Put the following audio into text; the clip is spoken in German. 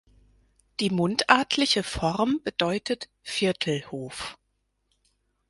Die mundartliche Form bedeutet Viertelhof.